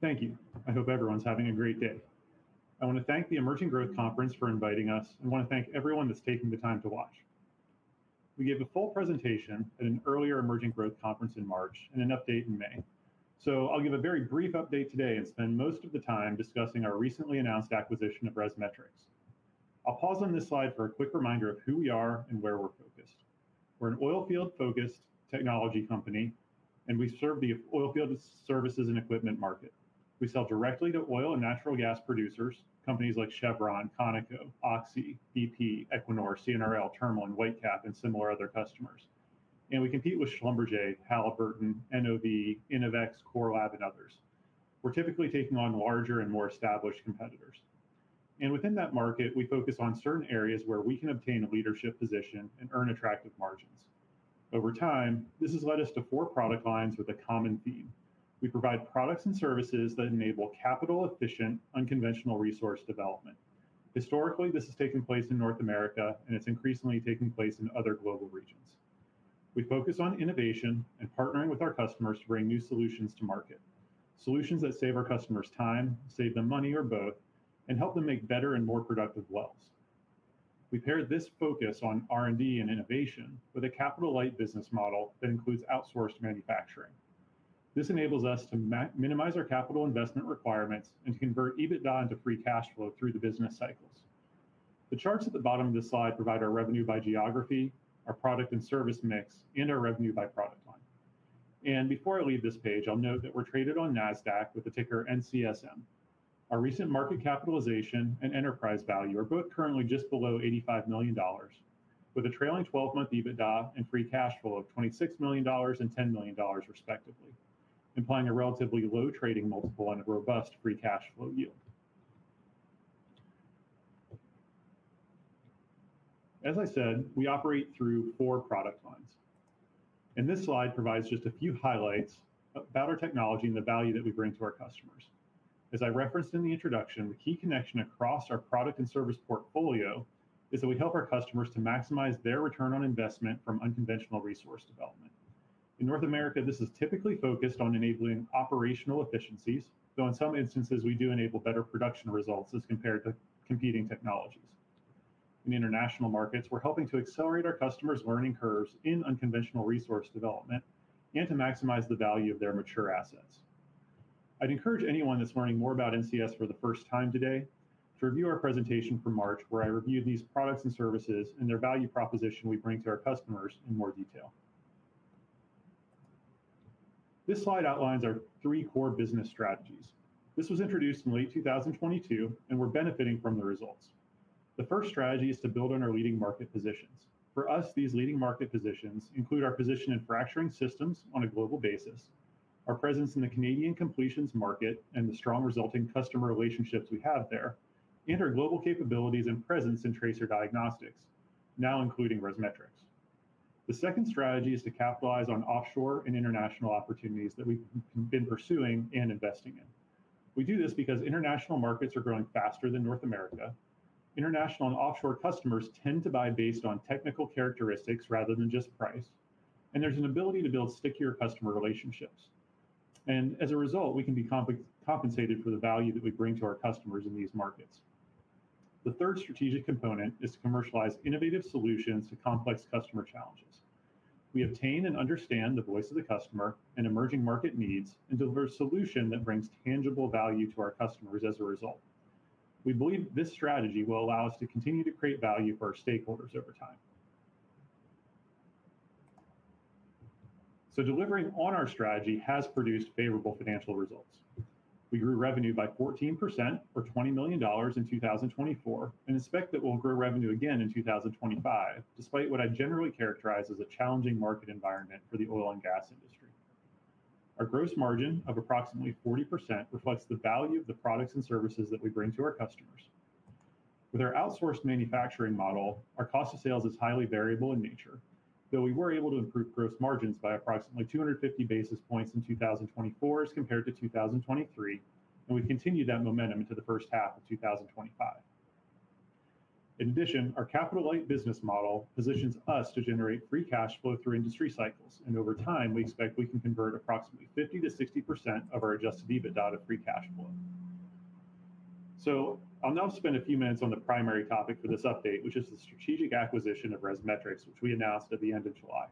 Thank you. I hope everyone's having a great day. I want to thank the Emerging Growth Conference for inviting us and want to thank everyone that's taking the time to watch. We gave a full presentation at an earlier Emerging Growth Conference in March and an update in May. I'll give a very brief update today and spend most of the time discussing our recently announced acquisition of ResMetrics. I'll pause on this slide for a quick reminder of who we are and where we're focused. We're an oil-field-focused technology company, and we serve the oil field services and equipment market. We sell directly to oil and natural gas producers, companies like Chevron, Conoco, Oxy, BP, Equinor, CNRL, Thermal, and Whitecap Resources, and similar other customers. We compete with Schlumberger, Halliburton, NOV, InnovX, Core Lab, and others. We're typically taking on larger and more established competitors. Within that market, we focus on certain areas where we can obtain a leadership position and earn attractive margins. Over time, this has led us to four product lines with a common theme. We provide products and services that enable capital-efficient, unconventional resource development. Historically, this has taken place in North America, and it's increasingly taking place in other global regions. We focus on innovation and partnering with our customers to bring new solutions to market, solutions that save our customers time, save them money, or both, and help them make better and more productive wells. We pair this focus on R&D and innovation with a capital-light, outsourced manufacturing model. This enables us to minimize our capital investment requirements and convert EBITDA into free cash flow through the business cycles. The charts at the bottom of the slide provide our revenue by geography, our product and service mix, and our revenue by product line. Before I leave this page, I'll note that we're traded on NASDAQ with a ticker NCSM. Our recent market capitalization and enterprise value are both currently just below $85 million, with a trailing 12-month EBITDA and free cash flow of $26 million and $10 million, respectively, implying a relatively low trading multiple and a robust free cash flow yield. As I said, we operate through four product lines. This slide provides just a few highlights about our technology and the value that we bring to our customers. As I referenced in the introduction, the key connection across our product and service portfolio is that we help our customers to maximize their return on investment from unconventional resource development. In North America, this is typically focused on enabling operational efficiencies, though in some instances, we do enable better production results as compared to competing technologies. In international markets, we're helping to accelerate our customers' learning curves in unconventional resource development and to maximize the value of their mature assets. I'd encourage anyone that's learning more about NCS for the first time today to review our presentation from March, where I review these products and services and their value proposition we bring to our customers in more detail. This slide outlines our three core business strategies. This was introduced in late 2022, and we're benefiting from the results. The first strategy is to build on our leading market positions. For us, these leading market positions include our position in fracturing systems on a global basis, our presence in the Canadian completions market and the strong resulting customer relationships we have there, and our global capabilities and presence in tracer diagnostics, now including ResMetrics. The second strategy is to capitalize on offshore and international opportunities that we've been pursuing and investing in. We do this because international markets are growing faster than North America. International and offshore customers tend to buy based on technical characteristics rather than just price, and there's an ability to build stickier customer relationships. As a result, we can be compensated for the value that we bring to our customers in these markets. The third strategic component is to commercialize innovative solutions to complex customer challenges. We obtain and understand the voice of the customer and emerging market needs and deliver a solution that brings tangible value to our customers as a result. We believe this strategy will allow us to continue to create value for our stakeholders over time. Delivering on our strategy has produced favorable financial results. We grew revenue by 14%, or $20 million, in 2024 and expect that we'll grow revenue again in 2025, despite what I generally characterize as a challenging market environment for the oil and gas industry. Our gross margin of approximately 40% reflects the value of the products and services that we bring to our customers. With our outsourced manufacturing model, our cost of sales is highly variable in nature, though we were able to improve gross margins by approximately 250 basis points in 2024 as compared to 2023, and we continued that momentum into the first half of 2025. In addition, our capital-light business model positions us to generate free cash flow through industry cycles, and over time, we expect we can convert approximately 50% to 60% of our adjusted EBITDA to free cash flow. I will now spend a few minutes on the primary topic for this update, which is the strategic acquisition of ResMetrics, which we announced at the end of July.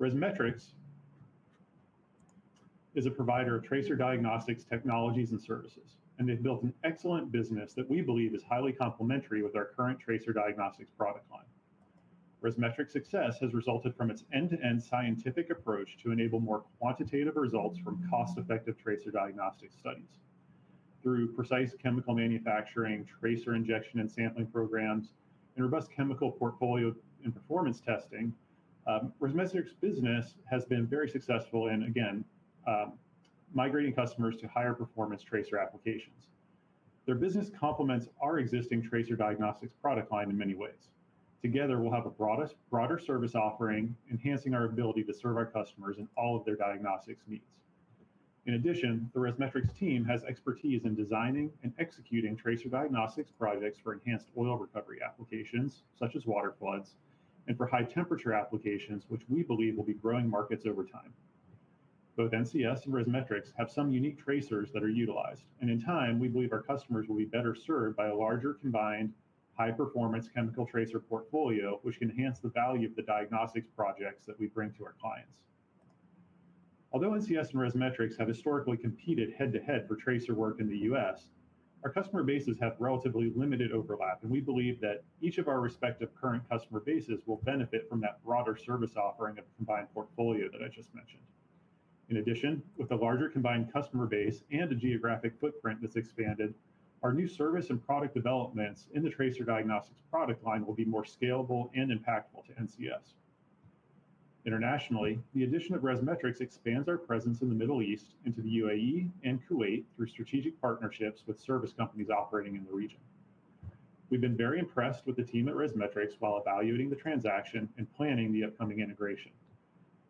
ResMetrics is a provider of tracer diagnostics technologies and services, and they've built an excellent business that we believe is highly complementary with our current tracer diagnostics product line. ResMetrics' success has resulted from its end-to-end scientific approach to enable more quantitative results from cost-effective tracer diagnostic studies. Through precise chemical manufacturing, tracer injection and sampling programs, and robust chemical portfolio and performance testing, ResMetrics' business has been very successful in, again, migrating customers to higher performance tracer applications. Their business complements our existing tracer diagnostics product line in many ways. Together, we'll have a broader service offering, enhancing our ability to serve our customers in all of their diagnostics needs. In addition, the ResMetrics team has expertise in designing and executing tracer diagnostics projects for enhanced oil recovery applications, such as water floods, and for high-temperature applications, which we believe will be growing markets over time. Both NCS and ResMetrics have some unique tracers that are utilized, and in time, we believe our customers will be better served by a larger combined high-performance chemical tracer portfolio, which can enhance the value of the diagnostics projects that we bring to our clients. Although NCS and ResMetrics have historically competed head-to-head for tracer work in the U.S., our customer bases have relatively limited overlap, and we believe that each of our respective current customer bases will benefit from that broader service offering of the combined portfolio that I just mentioned. In addition, with a larger combined customer base and a geographic footprint that's expanded, our new service and product developments in the tracer diagnostics product line will be more scalable and impactful to NCS. Internationally, the addition of ResMetrics expands our presence in the Middle East into the U.A.E. and Kuwait through strategic partnerships with service companies operating in the region. We've been very impressed with the team at ResMetrics while evaluating the transaction and planning the upcoming integration.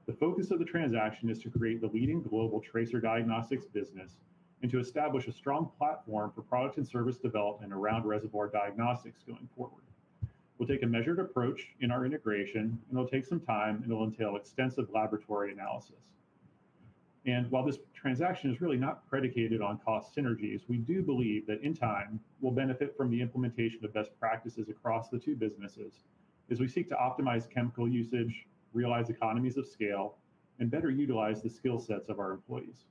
The focus of the transaction is to create the leading global tracer diagnostics business and to establish a strong platform for product and service development around reservoir diagnostics going forward. We'll take a measured approach in our integration, it'll take some time, and it'll entail extensive laboratory analysis. While this transaction is really not predicated on cost synergies, we do believe that in time, we'll benefit from the implementation of best practices across the two businesses as we seek to optimize chemical usage, realize economies of scale, and better utilize the skill sets of our employees.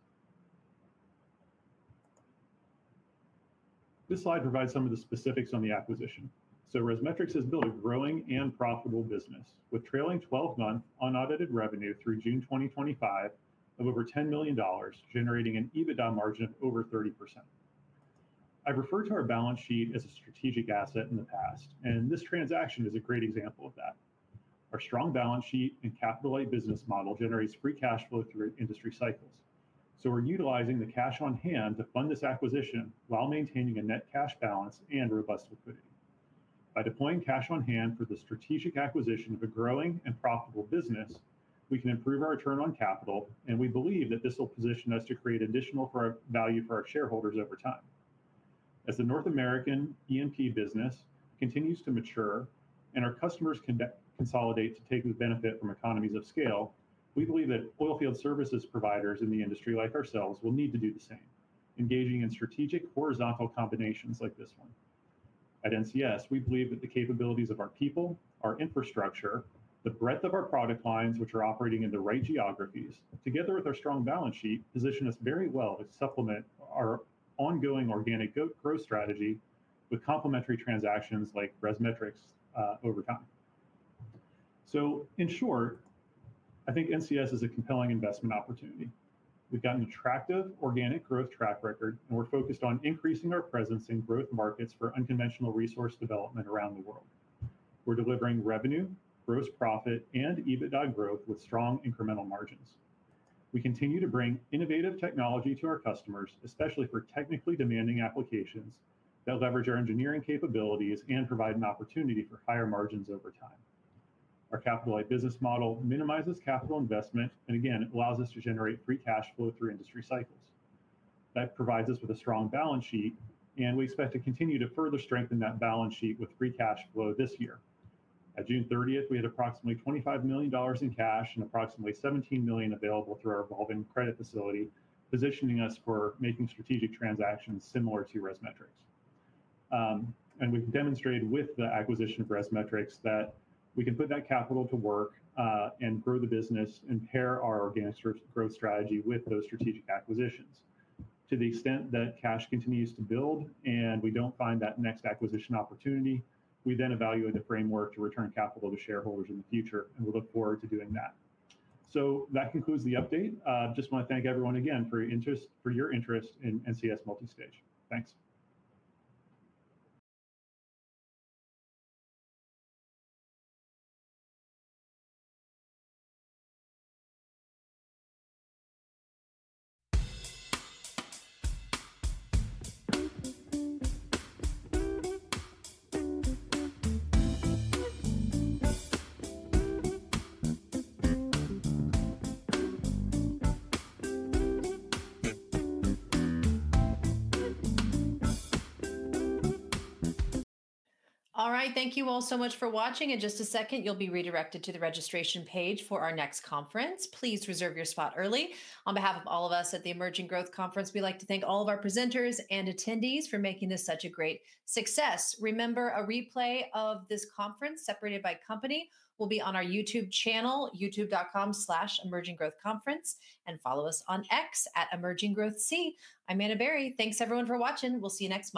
This slide provides some of the specifics on the acquisition. ResMetrics has built a growing and profitable business with trailing 12-month unaudited revenue through June 2025 of over $10 million, generating an EBITDA margin of over 30%. I've referred to our balance sheet as a strategic asset in the past, and this transaction is a great example of that. Our strong balance sheet and capital-light business model generates free cash flow through industry cycles, so we're utilizing the cash on hand to fund this acquisition while maintaining a net cash balance and robust liquidity. By deploying cash on hand for the strategic acquisition of a growing and profitable business, we can improve our return on capital, and we believe that this will position us to create additional value for our shareholders over time. As the North American E&P business continues to mature and our customers consolidate to take the benefit from economies of scale, we believe that oilfield services providers in the industry like ourselves will need to do the same, engaging in strategic horizontal combinations like this one. At NCS, we believe that the capabilities of our people, our infrastructure, the breadth of our product lines, which are operating in the right geographies, together with our strong balance sheet, position us very well to supplement our ongoing organic growth strategy with complementary transactions like ResMetrics over time. In short, I think NCS is a compelling investment opportunity. We've got an attractive organic growth track record, and we're focused on increasing our presence in growth markets for unconventional resource development around the world. We're delivering revenue, gross profit, and EBITDA growth with strong incremental margins. We continue to bring innovative technology to our customers, especially for technically demanding applications that leverage our engineering capabilities and provide an opportunity for higher margins over time. Our capital-light business model minimizes capital investment, and again, it allows us to generate free cash flow through industry cycles. That provides us with a strong balance sheet, and we expect to continue to further strengthen that balance sheet with free cash flow this year. At June 30, we had approximately $25 million in cash and approximately $17 million available through our evolving credit facility, positioning us for making strategic transactions similar to ResMetrics. We've demonstrated with the acquisition of ResMetrics that we can put that capital to work and grow the business and pair our organic growth strategy with those strategic acquisitions. To the extent that cash continues to build and we don't find that next acquisition opportunity, we then evaluate the framework to return capital to shareholders in the future, and we look forward to doing that. That concludes the update. I just want to thank everyone again for your interest in NCS Multistage. Thanks. All right. Thank you all so much for watching. In just a second, you'll be redirected to the registration page for our next conference. Please reserve your spot early. On behalf of all of us at the Emerging Growth Conference, we'd like to thank all of our presenters and attendees for making this such a great success. Remember, a replay of this conference separated by company will be on our YouTube channel, youtube.com/emerginggrowthconference, and follow us on X at Emerging Growth C. I'm Anna Barry. Thanks, everyone, for watching. We'll see you next time.